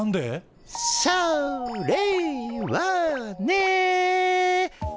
それはね。